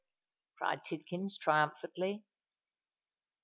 cried Tidkins, triumphantly.